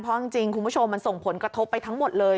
เพราะจริงคุณผู้ชมมันส่งผลกระทบไปทั้งหมดเลย